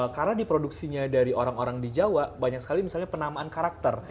karena di produksinya dari orang orang di jawa banyak sekali misalnya penamaan karakter